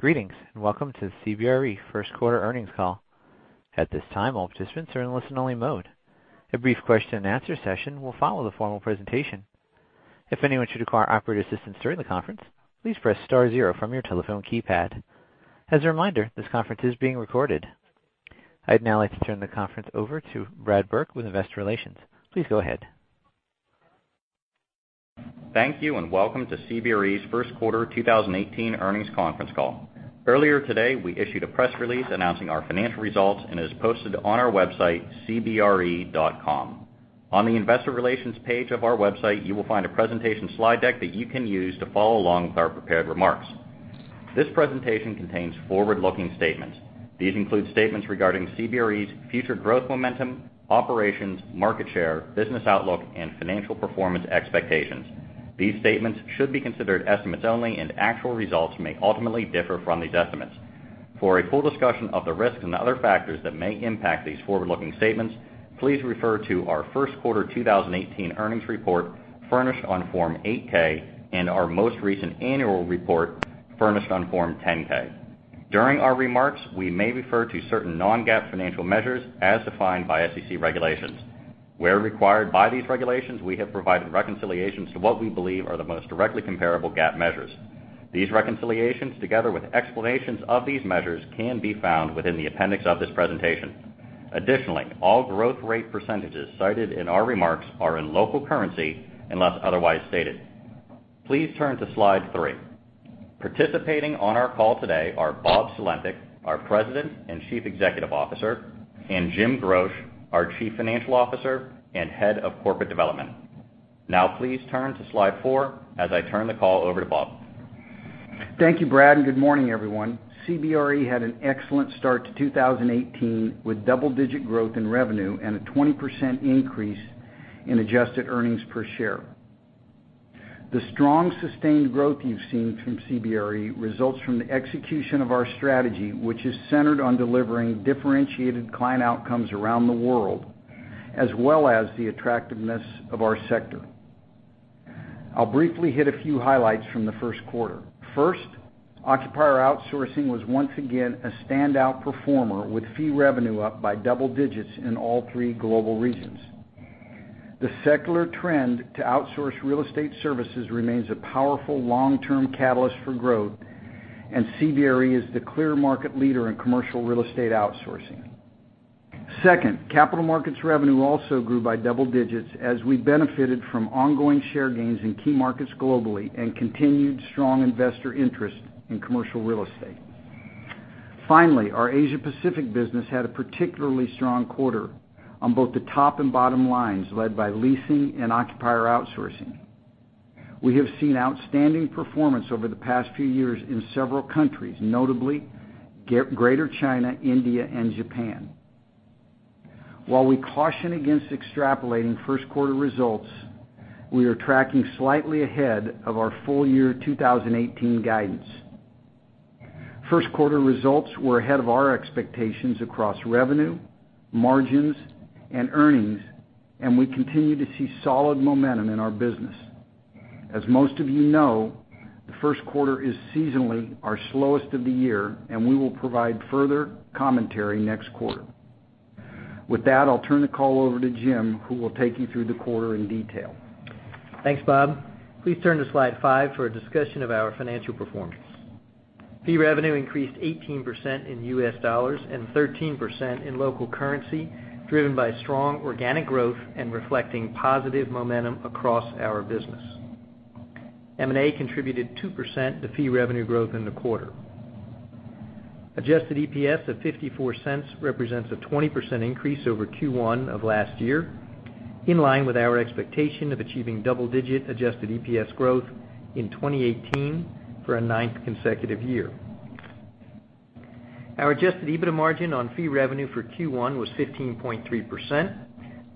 Greetings, welcome to the CBRE first quarter earnings call. At this time, all participants are in listen-only mode. A brief question-and-answer session will follow the formal presentation. If anyone should require operator assistance during the conference, please press star zero from your telephone keypad. As a reminder, this conference is being recorded. I'd now like to turn the conference over to Brad Burke with investor relations. Please go ahead. Thank you, welcome to CBRE's first quarter 2018 earnings conference call. Earlier today, we issued a press release announcing our financial results and is posted on our website, cbre.com. On the investor relations page of our website, you will find a presentation slide deck that you can use to follow along with our prepared remarks. This presentation contains forward-looking statements. These include statements regarding CBRE's future growth momentum, operations, market share, business outlook, and financial performance expectations. These statements should be considered estimates only, actual results may ultimately differ from these estimates. For a full discussion of the risks and other factors that may impact these forward-looking statements, please refer to our first quarter 2018 earnings report furnished on Form 8-K and our most recent annual report furnished on Form 10-K. During our remarks, we may refer to certain non-GAAP financial measures as defined by SEC regulations. Where required by these regulations, we have provided reconciliations to what we believe are the most directly comparable GAAP measures. These reconciliations, together with explanations of these measures, can be found within the appendix of this presentation. Additionally, all growth rate percentages cited in our remarks are in local currency unless otherwise stated. Please turn to Slide three. Participating on our call today are Bob Sulentic, our President and Chief Executive Officer, and Jim Groch, our Chief Financial Officer and Head of Corporate Development. Please turn to Slide four as I turn the call over to Bob. Thank you, Brad, good morning, everyone. CBRE had an excellent start to 2018 with double-digit growth in revenue and a 20% increase in adjusted earnings per share. The strong, sustained growth you've seen from CBRE results from the execution of our strategy, which is centered on delivering differentiated client outcomes around the world, as well as the attractiveness of our sector. I'll briefly hit a few highlights from the first quarter. First, occupier outsourcing was once again a standout performer with fee revenue up by double digits in all three global regions. The secular trend to outsource real estate services remains a powerful long-term catalyst for growth, CBRE is the clear market leader in commercial real estate outsourcing. Second, capital markets revenue also grew by double digits as we benefited from ongoing share gains in key markets globally and continued strong investor interest in commercial real estate. Finally, our Asia Pacific business had a particularly strong quarter on both the top and bottom lines, led by leasing and occupier outsourcing. We have seen outstanding performance over the past few years in several countries, notably Greater China, India, and Japan. While we caution against extrapolating first quarter results, we are tracking slightly ahead of our full year 2018 guidance. First quarter results were ahead of our expectations across revenue, margins, and earnings, and we continue to see solid momentum in our business. As most of you know, the first quarter is seasonally our slowest of the year, and we will provide further commentary next quarter. With that, I'll turn the call over to Jim, who will take you through the quarter in detail. Thanks, Bob. Please turn to Slide five for a discussion of our financial performance. Fee revenue increased 18% in U.S. dollars and 13% in local currency, driven by strong organic growth and reflecting positive momentum across our business. M&A contributed 2% to fee revenue growth in the quarter. Adjusted EPS of $0.54 represents a 20% increase over Q1 of last year, in line with our expectation of achieving double-digit adjusted EPS growth in 2018 for a ninth consecutive year. Our adjusted EBITDA margin on fee revenue for Q1 was 15.3%,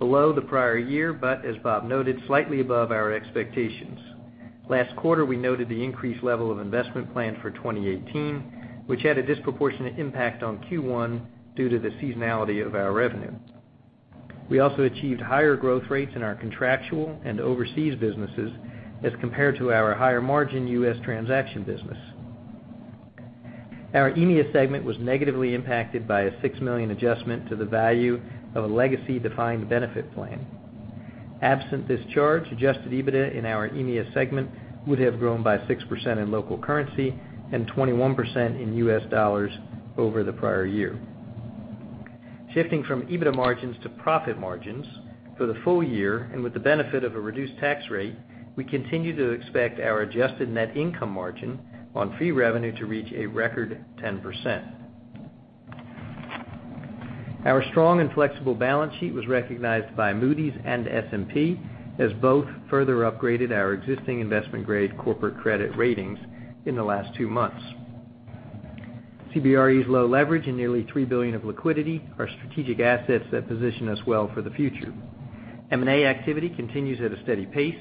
below the prior year, but as Bob noted, slightly above our expectations. Last quarter, we noted the increased level of investment planned for 2018, which had a disproportionate impact on Q1 due to the seasonality of our revenue. We also achieved higher growth rates in our contractual and overseas businesses as compared to our higher-margin U.S. transaction business. Our EMEA segment was negatively impacted by a $6 million adjustment to the value of a legacy defined benefit plan. Absent this charge, adjusted EBITDA in our EMEA segment would have grown by 6% in local currency and 21% in U.S. dollars over the prior year. Shifting from EBITDA margins to profit margins, for the full year, and with the benefit of a reduced tax rate, we continue to expect our adjusted net income margin on fee revenue to reach a record 10%. Our strong and flexible balance sheet was recognized by Moody's and S&P, as both further upgraded our existing investment-grade corporate credit ratings in the last two months. CBRE's low leverage and nearly $3 billion of liquidity are strategic assets that position us well for the future. M&A activity continues at a steady pace.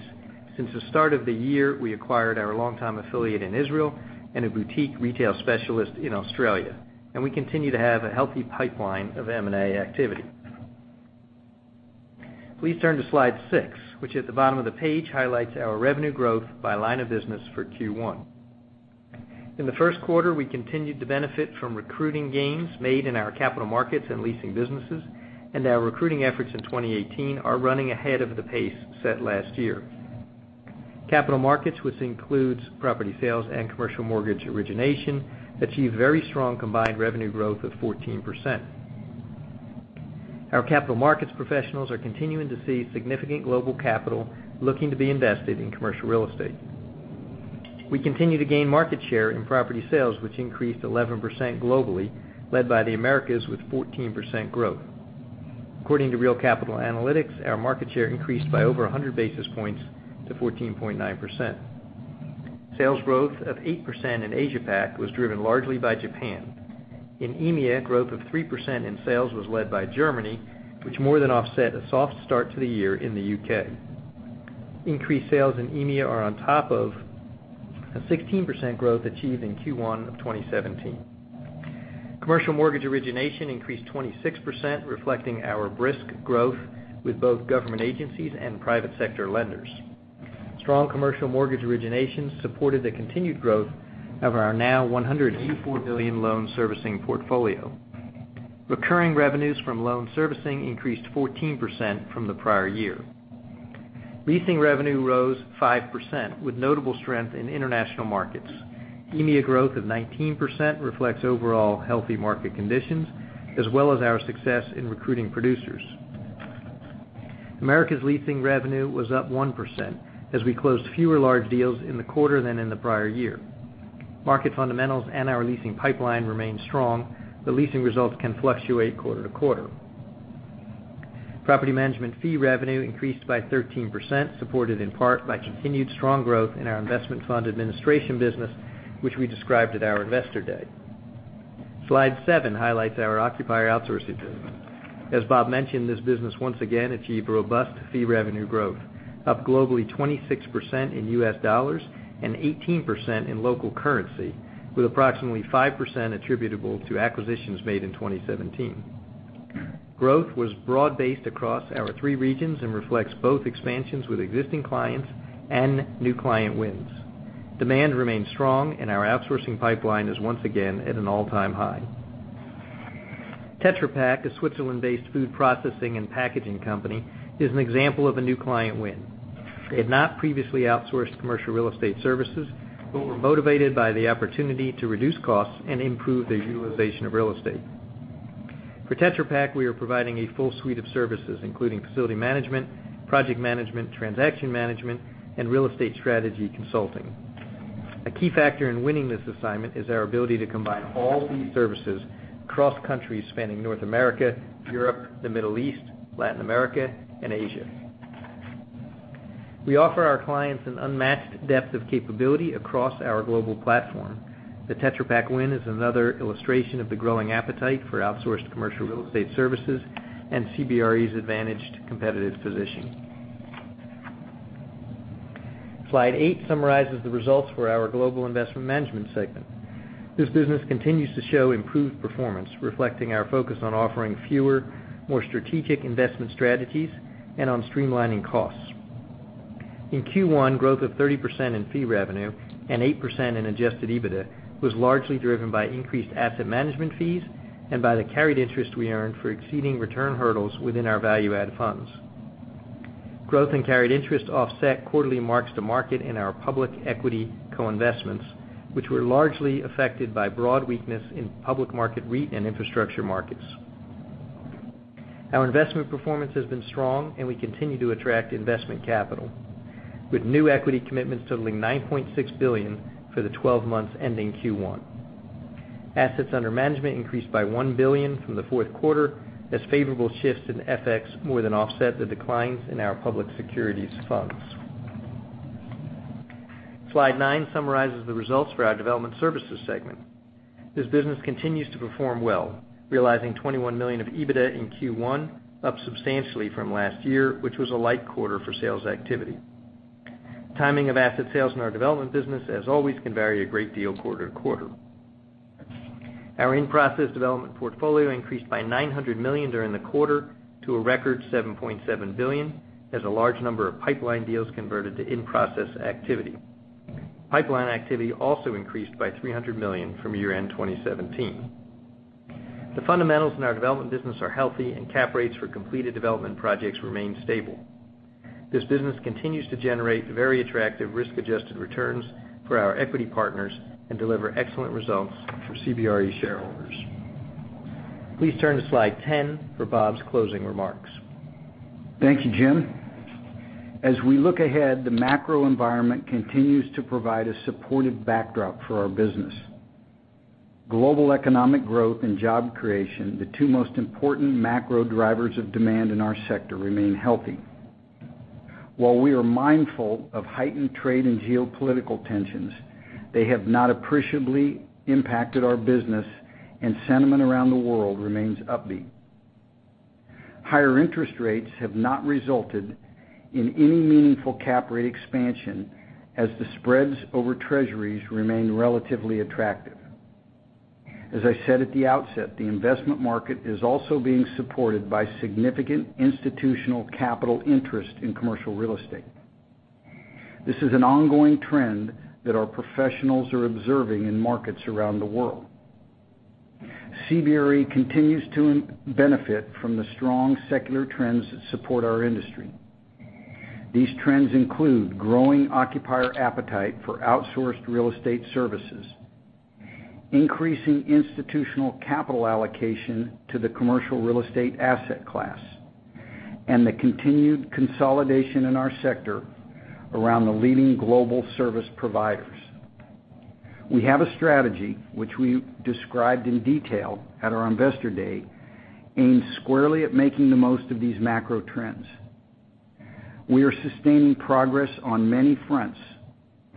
Since the start of the year, we acquired our longtime affiliate in Israel and a boutique retail specialist in Australia, and we continue to have a healthy pipeline of M&A activity. Please turn to slide six, which at the bottom of the page highlights our revenue growth by line of business for Q1. In the first quarter, we continued to benefit from recruiting gains made in our capital markets and leasing businesses. Our recruiting efforts in 2018 are running ahead of the pace set last year. Capital markets, which includes property sales and commercial mortgage origination, achieved very strong combined revenue growth of 14%. Our capital markets professionals are continuing to see significant global capital looking to be invested in commercial real estate. We continue to gain market share in property sales, which increased 11% globally, led by the Americas, with 14% growth. According to Real Capital Analytics, our market share increased by over 100 basis points to 14.9%. Sales growth of 8% in Asia-Pac was driven largely by Japan. In EMEA, growth of 3% in sales was led by Germany, which more than offset a soft start to the year in the U.K. Increased sales in EMEA are on top of a 16% growth achieved in Q1 of 2017. Commercial mortgage origination increased 26%, reflecting our brisk growth with both government agencies and private sector lenders. Strong commercial mortgage origination supported the continued growth of our now $184 billion loan servicing portfolio. Recurring revenues from loan servicing increased 14% from the prior year. Leasing revenue rose 5%, with notable strength in international markets. EMEA growth of 19% reflects overall healthy market conditions, as well as our success in recruiting producers. Americas leasing revenue was up 1% as we closed fewer large deals in the quarter than in the prior year. Market fundamentals and our leasing pipeline remain strong. Leasing results can fluctuate quarter to quarter. Property management fee revenue increased by 13%, supported in part by continued strong growth in our investment fund administration business, which we described at our investor day. Slide seven highlights our occupier outsourcing business. As Bob mentioned, this business once again achieved robust fee revenue growth, up globally 26% in US dollars and 18% in local currency, with approximately 5% attributable to acquisitions made in 2017. Growth was broad-based across our three regions and reflects both expansions with existing clients and new client wins. Demand remained strong. Our outsourcing pipeline is once again at an all-time high. Tetra Pak, a Switzerland-based food processing and packaging company, is an example of a new client win. They had not previously outsourced commercial real estate services but were motivated by the opportunity to reduce costs and improve their utilization of real estate. For Tetra Pak, we are providing a full suite of services, including facility management, project management, transaction management, and real estate strategy consulting. A key factor in winning this assignment is our ability to combine all these services across countries spanning North America, Europe, the Middle East, Latin America, and Asia. We offer our clients an unmatched depth of capability across our global platform. The Tetra Pak win is another illustration of the growing appetite for outsourced commercial real estate services and CBRE's advantaged competitive position. Slide eight summarizes the results for our global investment management segment. This business continues to show improved performance, reflecting our focus on offering fewer, more strategic investment strategies and on streamlining costs. In Q1, growth of 30% in fee revenue and 8% in adjusted EBITDA was largely driven by increased asset management fees and by the carried interest we earned for exceeding return hurdles within our value-add funds. Growth and carried interest offset quarterly marks to market in our public equity co-investments, which were largely affected by broad weakness in public market REIT and infrastructure markets. Our investment performance has been strong, and we continue to attract investment capital, with new equity commitments totaling $9.6 billion for the 12 months ending Q1. Assets under management increased by $1 billion from the fourth quarter as favorable shifts in FX more than offset the declines in our public securities funds. Slide nine summarizes the results for our development services segment. This business continues to perform well, realizing $21 million of EBITDA in Q1, up substantially from last year, which was a light quarter for sales activity. Timing of asset sales in our development business, as always, can vary a great deal quarter to quarter. Our in-process development portfolio increased by $900 million during the quarter to a record $7.7 billion as a large number of pipeline deals converted to in-process activity. Pipeline activity also increased by $300 million from year-end 2017. The fundamentals in our development business are healthy, and cap rates for completed development projects remain stable. This business continues to generate very attractive risk-adjusted returns for our equity partners and deliver excellent results for CBRE shareholders. Please turn to slide 10 for Bob's closing remarks. Thank you, Jim. As we look ahead, the macro environment continues to provide a supportive backdrop for our business. Global economic growth and job creation, the two most important macro drivers of demand in our sector, remain healthy. While we are mindful of heightened trade and geopolitical tensions, they have not appreciably impacted our business, and sentiment around the world remains upbeat. Higher interest rates have not resulted in any meaningful cap rate expansion as the spreads over Treasuries remain relatively attractive. As I said at the outset, the investment market is also being supported by significant institutional capital interest in commercial real estate. This is an ongoing trend that our professionals are observing in markets around the world. CBRE continues to benefit from the strong secular trends that support our industry. These trends include growing occupier appetite for outsourced real estate services, increasing institutional capital allocation to the commercial real estate asset class, and the continued consolidation in our sector around the leading global service providers. We have a strategy, which we described in detail at our investor day, aimed squarely at making the most of these macro trends. We are sustaining progress on many fronts,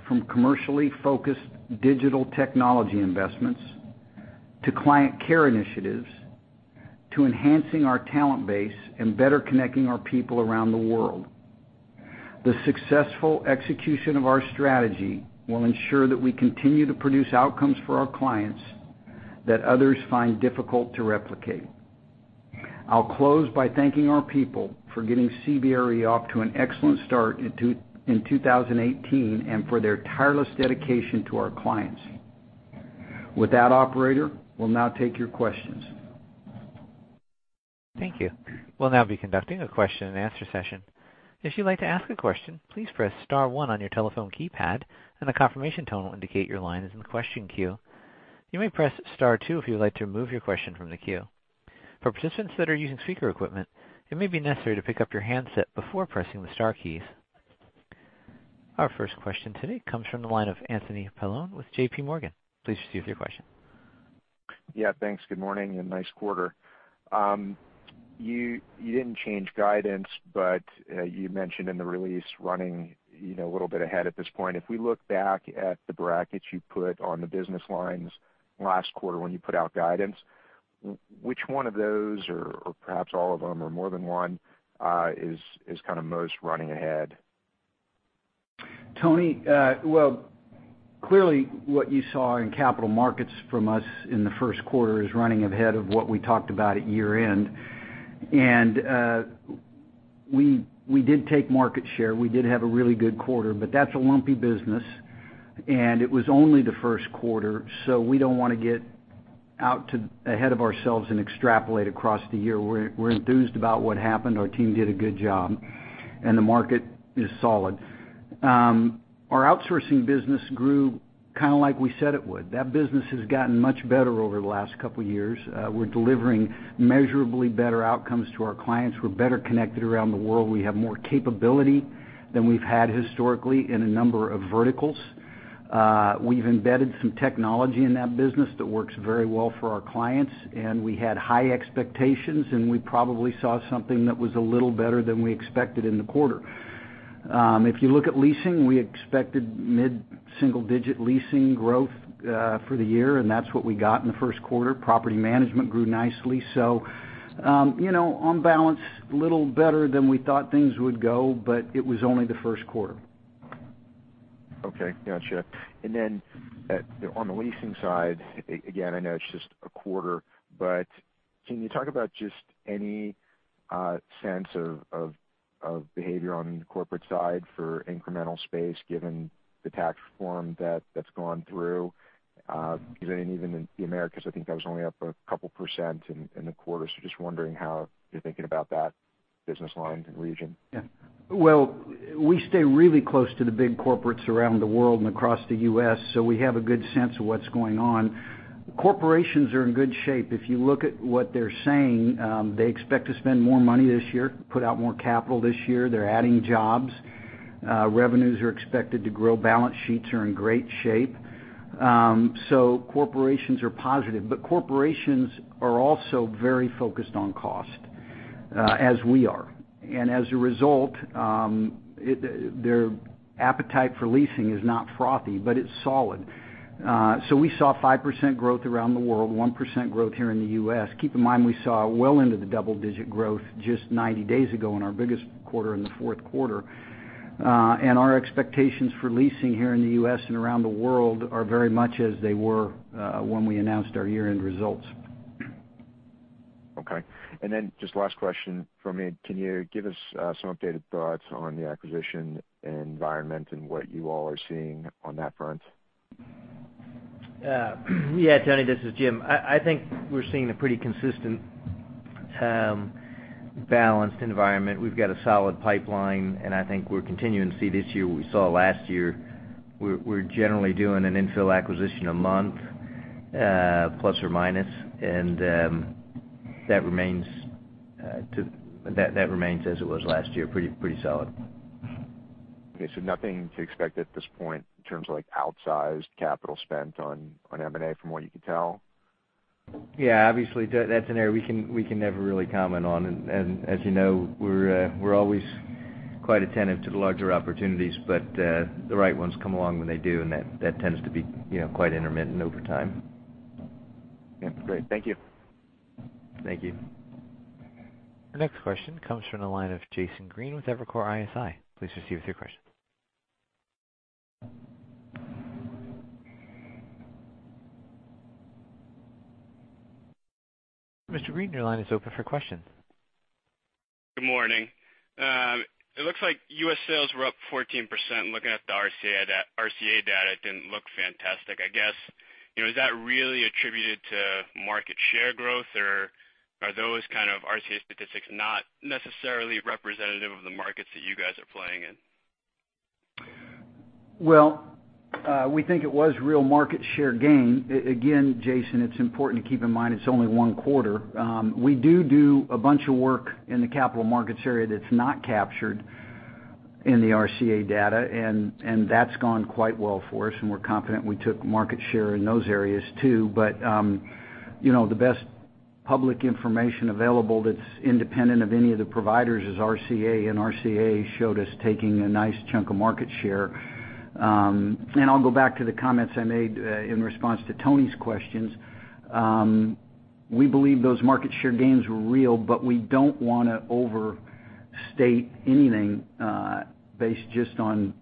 from commercially focused digital technology investments, to client care initiatives, to enhancing our talent base and better connecting our people around the world. The successful execution of our strategy will ensure that we continue to produce outcomes for our clients that others find difficult to replicate. I'll close by thanking our people for getting CBRE off to an excellent start in 2018, and for their tireless dedication to our clients. With that, operator, we'll now take your questions. Thank you. We'll now be conducting a question and answer session. If you'd like to ask a question, please press *1 on your telephone keypad, a confirmation tone will indicate your line is in the question queue. You may press *2 if you'd like to remove your question from the queue. For participants that are using speaker equipment, it may be necessary to pick up your handset before pressing the star keys. Our first question today comes from the line of Anthony Paolone with JPMorgan. Please proceed with your question. Yeah, thanks. Good morning, nice quarter. You didn't change guidance. You mentioned in the release running a little bit ahead at this point. If we look back at the brackets you put on the business lines last quarter when you put out guidance, which one of those, or perhaps all of them or more than one, is most running ahead? Tony, well, clearly what you saw in capital markets from us in the first quarter is running ahead of what we talked about at year-end. We did take market share. We did have a really good quarter. That's a lumpy business. It was only the first quarter. We don't want to get out ahead of ourselves and extrapolate across the year. We're enthused about what happened. Our team did a good job. The market is solid. Our outsourcing business grew kind of like we said it would. That business has gotten much better over the last couple of years. We're delivering measurably better outcomes to our clients. We're better connected around the world. We have more capability than we've had historically in a number of verticals. We've embedded some technology in that business that works very well for our clients. We had high expectations. We probably saw something that was a little better than we expected in the quarter. If you look at leasing, we expected mid-single digit leasing growth for the year. That's what we got in the first quarter. Property management grew nicely. On balance, a little better than we thought things would go. It was only the first quarter. Okay, got you. On the leasing side, again, I know it's just a quarter, but can you talk about just any sense of behavior on the corporate side for incremental space given the tax reform that's gone through? Even in the Americas, I think that was only up a couple % in the quarter. Just wondering how you're thinking about that business line and region. Well, we stay really close to the big corporates around the world and across the U.S., so we have a good sense of what's going on. Corporations are in good shape. If you look at what they're saying, they expect to spend more money this year, put out more capital this year. They're adding jobs. Revenues are expected to grow. Balance sheets are in great shape. Corporations are positive, but corporations are also very focused on cost, as we are. As a result, their appetite for leasing is not frothy, but it's solid. We saw 5% growth around the world, 1% growth here in the U.S. Keep in mind, we saw well into the double-digit growth just 90 days ago in our biggest quarter, in the fourth quarter. Our expectations for leasing here in the U.S. and around the world are very much as they were when we announced our year-end results. Okay. Just last question from me. Can you give us some updated thoughts on the acquisition environment and what you all are seeing on that front? Yeah, Tony, this is Jim. I think we're seeing a pretty consistent, balanced environment. We've got a solid pipeline. I think we're continuing to see this year what we saw last year. We're generally doing an infill acquisition a month, plus or minus. That remains as it was last year, pretty solid. Okay, nothing to expect at this point in terms of outsized capital spent on M&A from what you can tell? Yeah, obviously, that's an area we can never really comment on. As you know, we're always quite attentive to the larger opportunities, but the right ones come along when they do, and that tends to be quite intermittent over time. Yeah, great. Thank you. Thank you. The next question comes from the line of Jason Green with Evercore ISI. Please proceed with your question Mr. Green, your line is open for questions. Good morning. It looks like U.S. sales were up 14%, looking at the RCA data, it didn't look fantastic. I guess, is that really attributed to market share growth, or are those kind of RCA statistics not necessarily representative of the markets that you guys are playing in? Well, we think it was real market share gain. Again, Jason, it's important to keep in mind it's only one quarter. We do a bunch of work in the capital markets area that's not captured in the RCA data. That's gone quite well for us, and we're confident we took market share in those areas too. The best public information available that's independent of any of the providers is RCA showed us taking a nice chunk of market share. I'll go back to the comments I made in response to Tony's questions. We believe those market share gains were real, we don't want to overstate anything based just on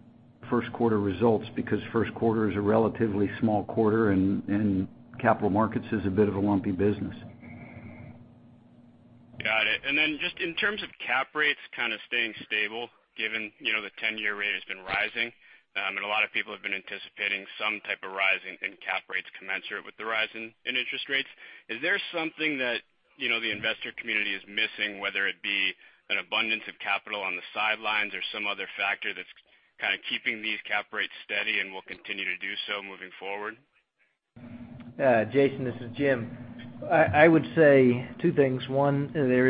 first quarter results because first quarter is a relatively small quarter, and capital markets is a bit of a lumpy business. Got it. Just in terms of cap rates kind of staying stable, given the 10-year rate has been rising, and a lot of people have been anticipating some type of rise in cap rates commensurate with the rise in interest rates. Is there something that the investor community is missing, whether it be an abundance of capital on the sidelines or some other factor that's kind of keeping these cap rates steady and will continue to do so moving forward? Jason, this is Jim. I would say two things. One, there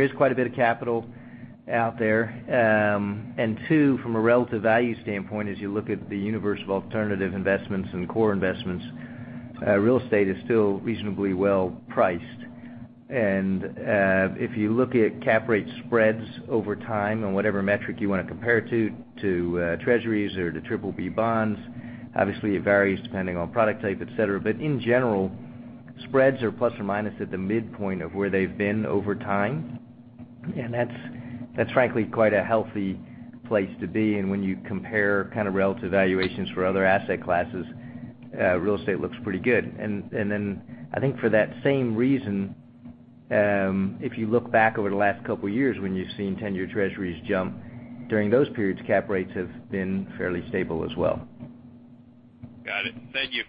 is quite a bit of capital out there. Two, from a relative value standpoint, as you look at the universe of alternative investments and core investments, real estate is still reasonably well-priced. If you look at cap rate spreads over time on whatever metric you want to compare to Treasuries or to BBB bonds, obviously it varies depending on product type, et cetera. In general, spreads are plus or minus at the midpoint of where they've been over time. That's frankly quite a healthy place to be. When you compare kind of relative valuations for other asset classes, real estate looks pretty good. I think for that same reason, if you look back over the last couple of years when you've seen 10-year Treasuries jump, during those periods, cap rates have been fairly stable as well. Got it. Thank you.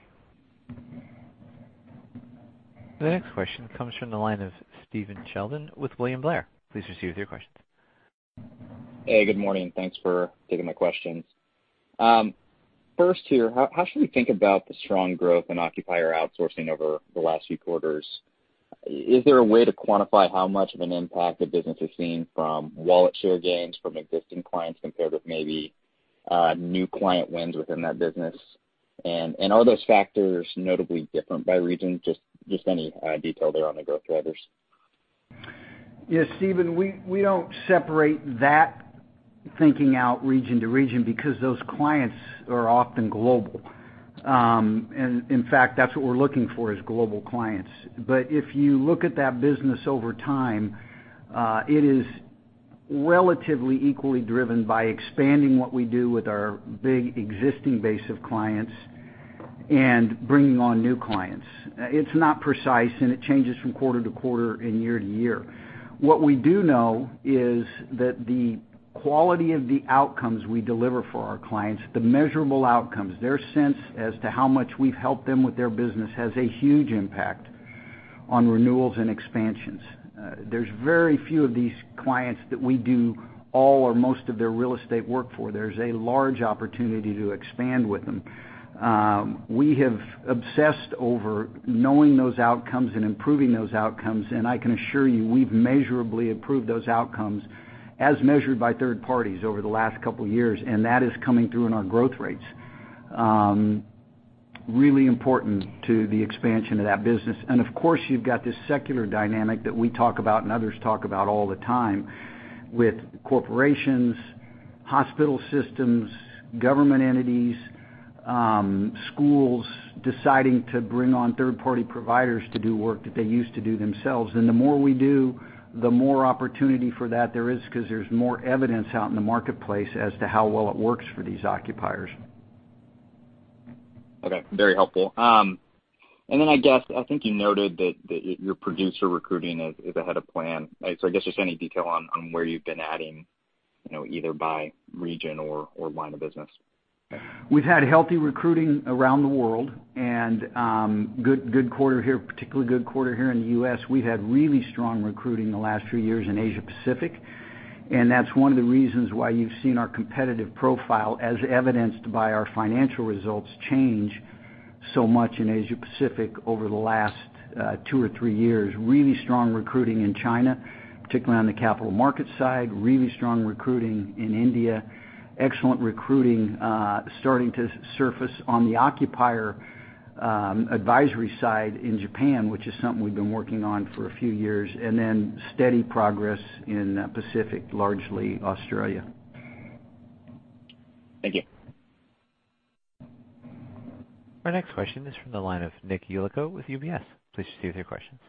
The next question comes from the line of Stephen Sheldon with William Blair. Please proceed with your questions. Hey, good morning. Thanks for taking my questions. First here, how should we think about the strong growth in occupier outsourcing over the last few quarters? Is there a way to quantify how much of an impact the business is seeing from wallet share gains from existing clients compared with maybe new client wins within that business? Are those factors notably different by region? Just any detail there on the growth drivers. Yes, Stephen, we don't separate that thinking out region to region because those clients are often global. In fact, that's what we're looking for is global clients. If you look at that business over time, it is relatively equally driven by expanding what we do with our big existing base of clients and bringing on new clients. It's not precise, and it changes from quarter to quarter and year to year. What we do know is that the quality of the outcomes we deliver for our clients, the measurable outcomes, their sense as to how much we've helped them with their business has a huge impact on renewals and expansions. There's very few of these clients that we do all or most of their real estate work for. There's a large opportunity to expand with them. We have obsessed over knowing those outcomes and improving those outcomes. I can assure you we've measurably improved those outcomes as measured by third parties over the last couple of years, and that is coming through in our growth rates. Really important to the expansion of that business. Of course, you've got this secular dynamic that we talk about and others talk about all the time with corporations, hospital systems, government entities, schools deciding to bring on third-party providers to do work that they used to do themselves. The more we do, the more opportunity for that there is because there's more evidence out in the marketplace as to how well it works for these occupiers. Okay. Very helpful. I think you noted that your producer recruiting is ahead of plan. Just any detail on where you've been adding, either by region or line of business. We've had healthy recruiting around the world and good quarter here, particularly good quarter here in the U.S. We've had really strong recruiting the last few years in Asia-Pacific, that's one of the reasons why you've seen our competitive profile, as evidenced by our financial results, change so much in Asia-Pacific over the last two or three years. Really strong recruiting in China, particularly on the capital markets side. Really strong recruiting in India. Excellent recruiting starting to surface on the occupier advisory side in Japan, which is something we've been working on for a few years. Steady progress in Pacific, largely Australia. Thank you. Our next question is from the line of Nick Yulico with UBS. Please proceed with your questions.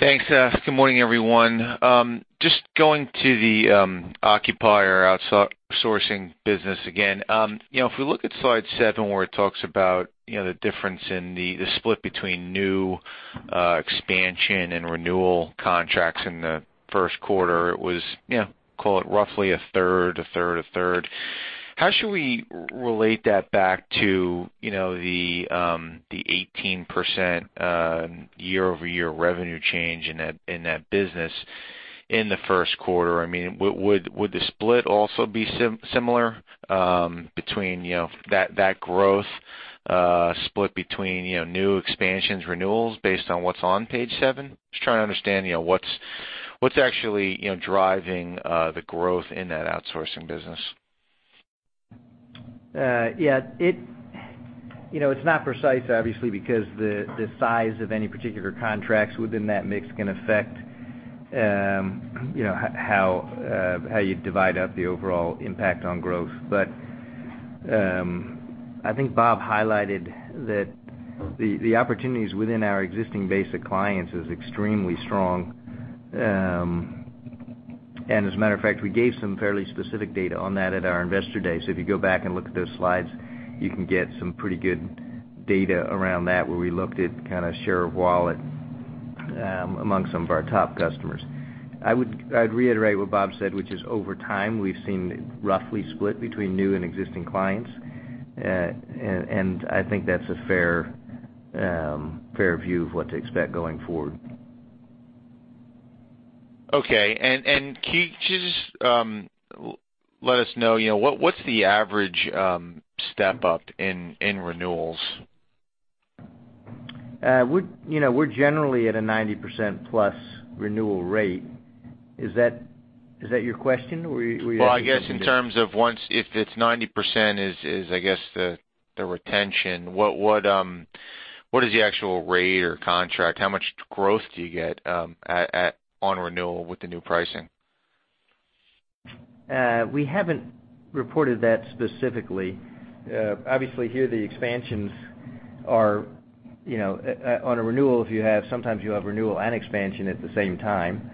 Thanks. Good morning, everyone. Just going to the occupier outsourcing business again. If we look at slide seven where it talks about the difference in the split between new expansion and renewal contracts in the first quarter, it was, call it roughly a third, a third, a third. How should we relate that back to the 18% year-over-year revenue change in that business in the first quarter? Would the split also be similar between that growth split between new expansions, renewals based on what's on page seven? Just trying to understand what's actually driving the growth in that outsourcing business. Yeah. It's not precise, obviously, because the size of any particular contracts within that mix can affect how you divide up the overall impact on growth. I think Bob highlighted that the opportunities within our existing base of clients is extremely strong. As a matter of fact, we gave some fairly specific data on that at our investor day. If you go back and look at those slides, you can get some pretty good data around that where we looked at kind of share of wallet among some of our top customers. I'd reiterate what Bob said, which is over time, we've seen it roughly split between new and existing clients. I think that's a fair view of what to expect going forward. Okay. Can you just let us know, what's the average step-up in renewals? We're generally at a 90% plus renewal rate. Is that your question? Were you asking something different? Well, I guess in terms of if it's 90% is, I guess the retention, what is the actual rate or contract? How much growth do you get on renewal with the new pricing? We haven't reported that specifically. Obviously, here the expansions are on a renewal. Sometimes you have renewal and expansion at the same time.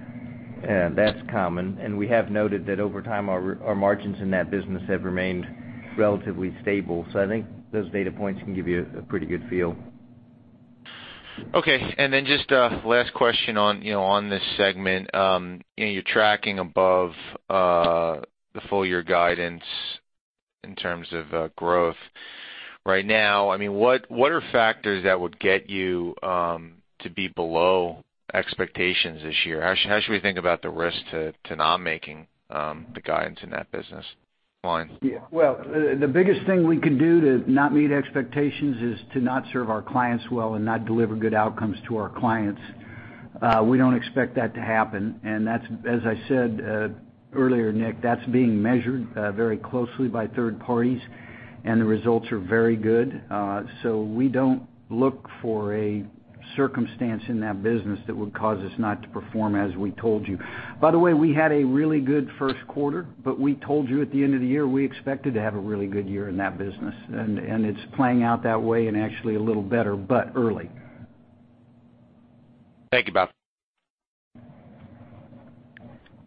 That's common. We have noted that over time, our margins in that business have remained relatively stable. I think those data points can give you a pretty good feel. Okay. Just last question on this segment. You're tracking above the full year guidance in terms of growth right now. What are factors that would get you to be below expectations this year? How should we think about the risk to not making the guidance in that business line? Well, the biggest thing we can do to not meet expectations is to not serve our clients well and not deliver good outcomes to our clients. We don't expect that to happen. As I said earlier, Nick, that's being measured very closely by third parties, and the results are very good. We don't look for a circumstance in that business that would cause us not to perform as we told you. By the way, we had a really good first quarter, we told you at the end of the year, we expected to have a really good year in that business. It's playing out that way and actually a little better, but early. Thank you, Bob.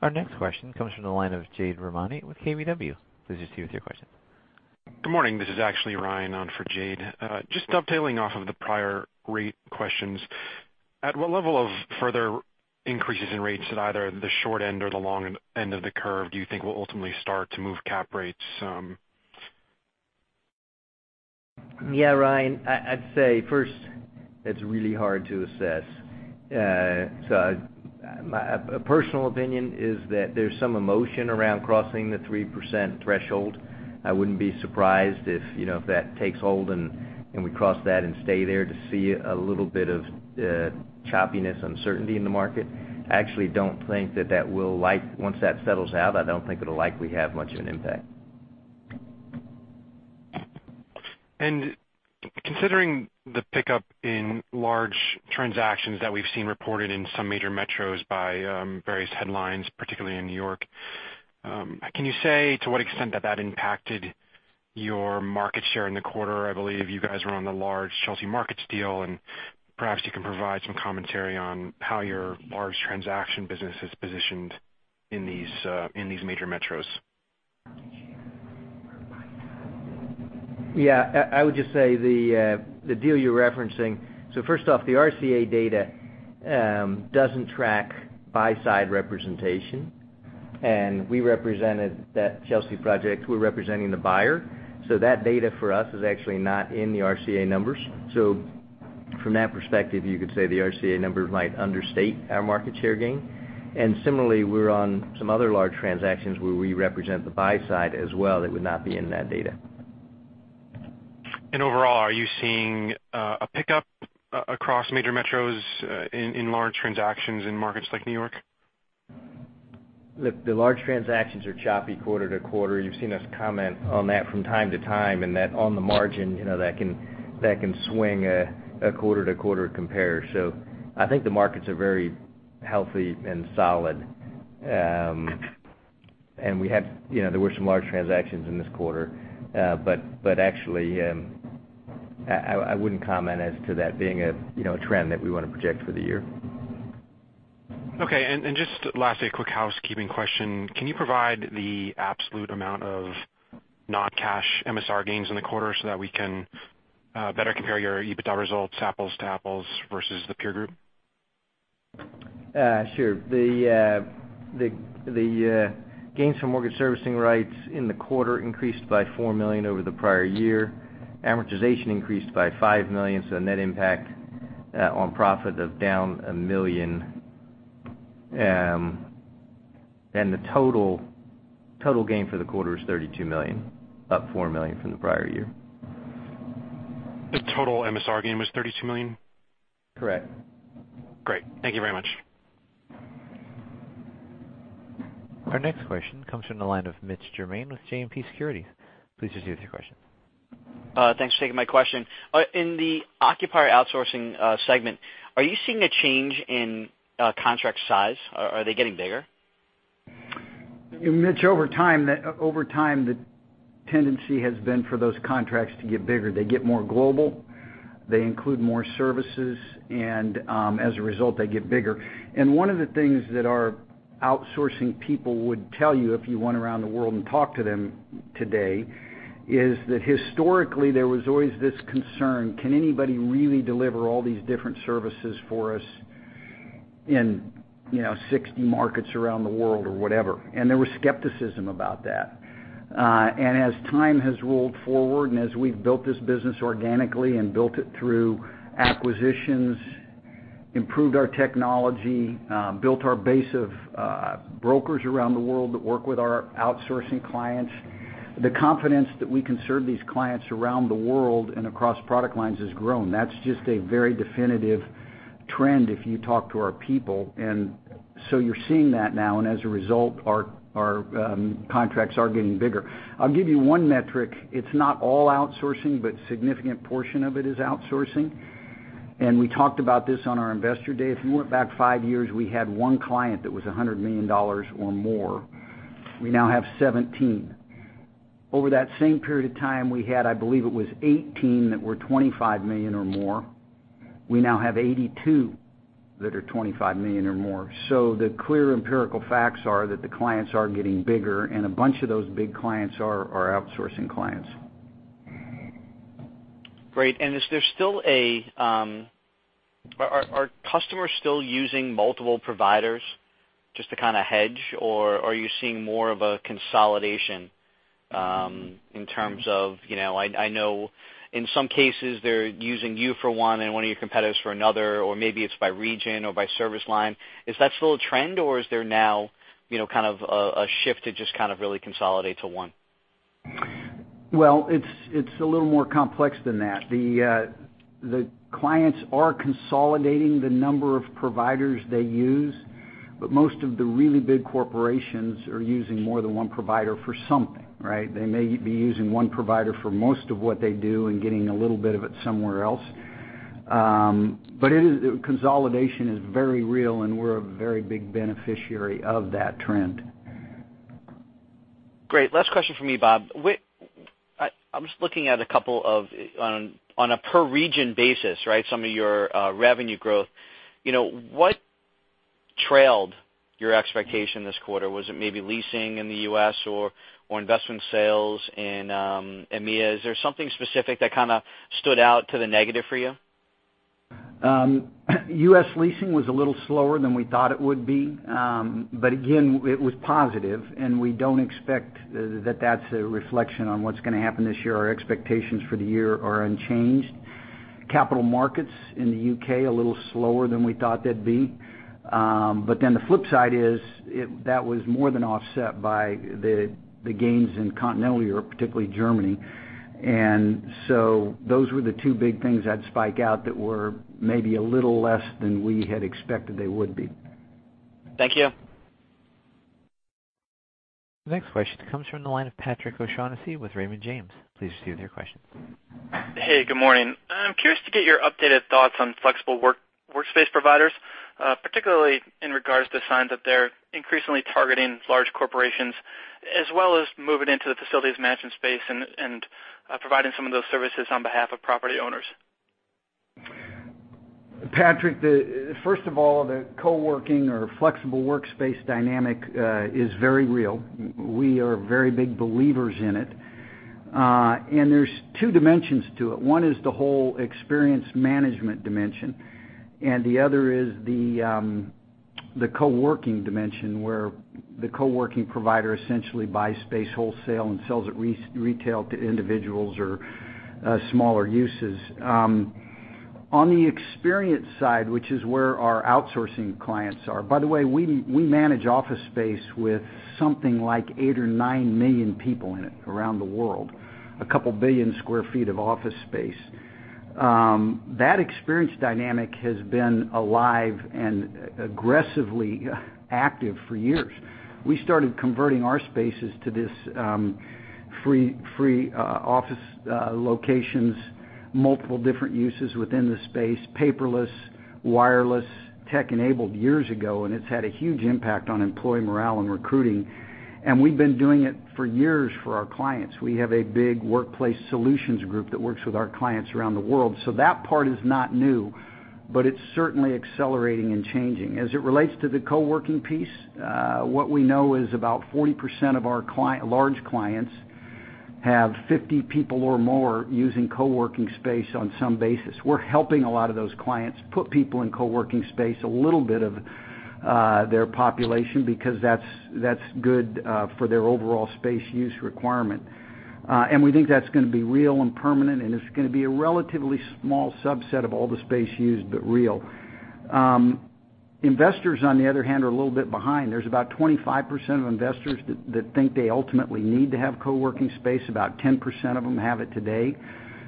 Our next question comes from the line of Jade Rahmani with KBW. Please proceed with your question. Good morning. This is actually Ryan on for Jade. Just dovetailing off of the prior rate questions. At what level of further increases in rates at either the short end or the long end of the curve do you think will ultimately start to move cap rates? Yeah, Ryan. I'd say first, it's really hard to assess. A personal opinion is that there's some emotion around crossing the 3% threshold. I wouldn't be surprised if that takes hold and we cross that and stay there to see a little bit of choppiness, uncertainty in the market. I actually don't think that once that settles out, I don't think it'll likely have much of an impact. Considering the pickup in large transactions that we've seen reported in some major metros by various headlines, particularly in New York, can you say to what extent that impacted your market share in the quarter? I believe you guys were on the large Chelsea Market deal, and perhaps you can provide some commentary on how your large transaction business is positioned in these major metros. Yeah. I would just say the deal you're referencing. First off, the RCA data doesn't track buy-side representation. We represented that Chelsea project. We're representing the buyer. That data for us is actually not in the RCA numbers. From that perspective, you could say the RCA numbers might understate our market share gain. Similarly, we're on some other large transactions where we represent the buy side as well that would not be in that data. Overall, are you seeing a pickup across major metros in large transactions in markets like New York? Look, the large transactions are choppy quarter-to-quarter. You've seen us comment on that from time to time, and that on the margin, that can swing a quarter-to-quarter compare. I think the markets are very healthy and solid. There were some large transactions in this quarter. Actually, I wouldn't comment as to that being a trend that we want to project for the year. Okay. Just lastly, a quick housekeeping question. Can you provide the absolute amount of non-cash MSR gains in the quarter so that we can better compare your EBITDA results apples-to-apples versus the peer group? Sure. The gains from mortgage servicing rights in the quarter increased by $4 million over the prior year. Amortization increased by $5 million, so a net impact on profit of down $1 million. The total gain for the quarter is $32 million, up $4 million from the prior year. The total MSR gain was $32 million? Correct. Great. Thank you very much. Our next question comes from the line of Mitch Germain with JMP Securities. Please proceed with your question. Thanks for taking my question. In the occupier outsourcing segment, are you seeing a change in contract size? Are they getting bigger? Mitch, over time, the tendency has been for those contracts to get bigger. They get more global, they include more services, and as a result, they get bigger. One of the things that our outsourcing people would tell you if you went around the world and talked to them today, is that historically, there was always this concern, can anybody really deliver all these different services for us in 60 markets around the world or whatever? There was skepticism about that. As time has rolled forward and as we've built this business organically and built it through acquisitions, improved our technology, built our base of brokers around the world that work with our outsourcing clients, the confidence that we can serve these clients around the world and across product lines has grown. That's just a very definitive trend if you talk to our people. You're seeing that now, as a result, our contracts are getting bigger. I'll give you one metric. It's not all outsourcing, but significant portion of it is outsourcing. We talked about this on our Investor Day. If you went back five years, we had one client that was $100 million or more. We now have 17. Over that same period of time, we had, I believe it was 18 that were $25 million or more. We now have 82 that are $25 million or more. The clear empirical facts are that the clients are getting bigger, and a bunch of those big clients are our outsourcing clients. Great. Are customers still using multiple providers just to kind of hedge, or are you seeing more of a consolidation in terms of, I know in some cases they're using you for one and one of your competitors for another, or maybe it's by region or by service line. Is that still a trend, or is there now kind of a shift to just kind of really consolidate to one? Well, it's a little more complex than that. The clients are consolidating the number of providers they use, but most of the really big corporations are using more than one provider for something, right? They may be using one provider for most of what they do and getting a little bit of it somewhere else. Consolidation is very real, and we're a very big beneficiary of that trend. Great. Last question from me, Bob. I'm just looking at a couple of, on a per region basis, right, some of your revenue growth. What trailed your expectation this quarter? Was it maybe leasing in the U.S. or investment sales in EMEA? Is there something specific that kind of stood out to the negative for you? U.S. leasing was a little slower than we thought it would be. Again, it was positive, and we don't expect that that's a reflection on what's going to happen this year. Our expectations for the year are unchanged. Capital markets in the U.K., a little slower than we thought they'd be. The flip side is that was more than offset by the gains in Continental Europe, particularly Germany. Those were the two big things I'd spike out that were maybe a little less than we had expected they would be. Thank you. The next question comes from the line of Patrick O'Shaughnessy with Raymond James. Please proceed with your question. Hey, good morning. I'm curious to get your updated thoughts on flexible workspace providers, particularly in regards to signs that they're increasingly targeting large corporations, as well as moving into the facilities management space and providing some of those services on behalf of property owners. Patrick, first of all, the co-working or flexible workspace dynamic is very real. We are very big believers in it. There's two dimensions to it. One is the whole experience management dimension, and the other is the co-working dimension, where the co-working provider essentially buys space wholesale and sells it retail to individuals or smaller uses. On the experience side, which is where our outsourcing clients are, by the way, we manage office space with something like eight or nine million people in it around the world, a couple billion sq ft of office space. That experience dynamic has been alive and aggressively active for years. We started converting our spaces to this free office locations. Multiple different uses within the space, paperless, wireless, tech-enabled years ago, and it's had a huge impact on employee morale and recruiting. We've been doing it for years for our clients. We have a big workplace solutions group that works with our clients around the world. That part is not new, but it's certainly accelerating and changing. As it relates to the co-working piece, what we know is about 40% of our large clients have 50 people or more using co-working space on some basis. We're helping a lot of those clients put people in co-working space, a little bit of their population, because that's good for their overall space use requirement. We think that's going to be real and permanent, and it's going to be a relatively small subset of all the space used, but real. Investors, on the other hand, are a little bit behind. There's about 25% of investors that think they ultimately need to have co-working space. About 10% of them have it today.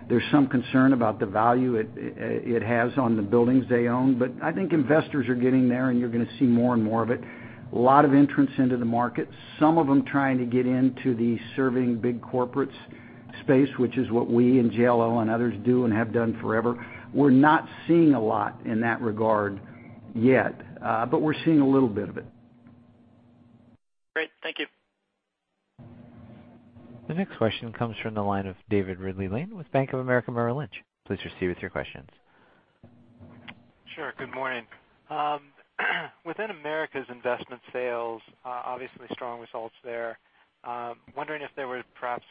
There's some concern about the value it has on the buildings they own. I think investors are getting there, and you're going to see more and more of it. A lot of entrants into the market, some of them trying to get into the serving big corporates space, which is what we and JLL and others do and have done forever. We're not seeing a lot in that regard yet. We're seeing a little bit of it. Great. Thank you. The next question comes from the line of David Ridley-Lane with Bank of America Merrill Lynch. Please proceed with your questions. Sure. Good morning. Within America's investment sales, obviously strong results there. Wondering if there were perhaps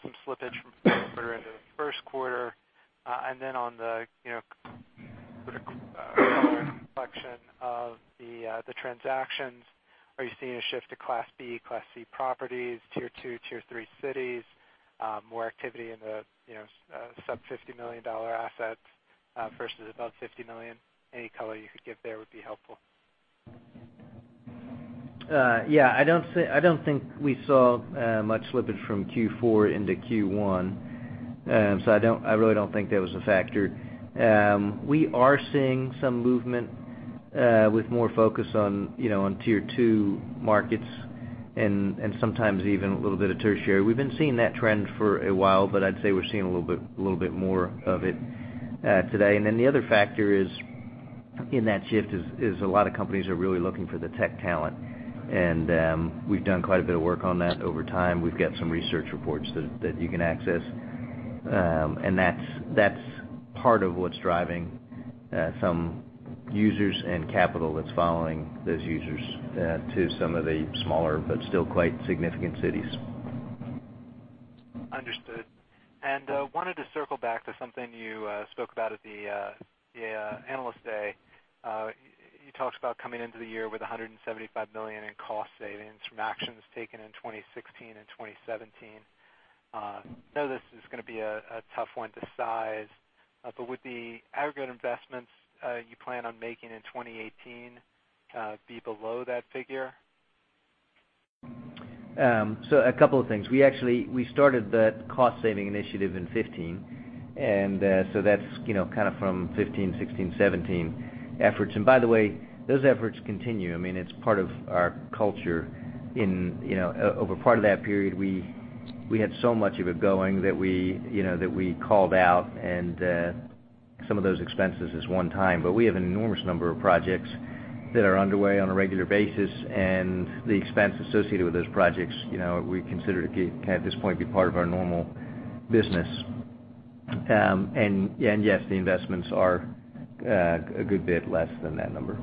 some slippage from the fourth quarter into the first quarter. On the collection of the transactions, are you seeing a shift to Class B, Class C properties, Tier 2, Tier 3 cities, more activity in the sub-$50 million assets versus above $50 million? Any color you could give there would be helpful. Yeah. I don't think we saw much slippage from Q4 into Q1. I really don't think that was a factor. We are seeing some movement with more focus on Tier 2 markets and sometimes even a little bit of tertiary. We've been seeing that trend for a while, but I'd say we're seeing a little bit more of it today. The other factor in that shift is a lot of companies are really looking for the tech talent, and we've done quite a bit of work on that over time. We've got some research reports that you can access. That's part of what's driving some users and capital that's following those users to some of the smaller but still quite significant cities. Understood. Wanted to circle back to something you spoke about at the Analyst Day. You talked about coming into the year with $175 million in cost savings from actions taken in 2016 and 2017. Know this is going to be a tough one to size, would the aggregate investments you plan on making in 2018 be below that figure? A couple of things. We started the cost-saving initiative in 2015, and so that's kind of from 2015, 2016, 2017 efforts. By the way, those efforts continue. It's part of our culture. Over part of that period, we had so much of it going that we called out, and some of those expenses is one time. We have an enormous number of projects that are underway on a regular basis, and the expense associated with those projects we consider to, at this point, be part of our normal business. Yes, the investments are a good bit less than that number.